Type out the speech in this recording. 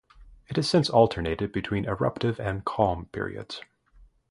It has since alternated between eruptive and calm periods.